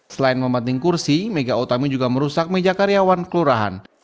selain memanting kursi mega utami juga merusak meja karyawan kelurahan